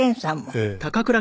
ええ。